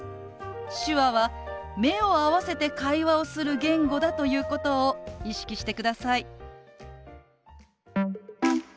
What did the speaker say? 手話は目を合わせて会話をする言語だということを意識してください。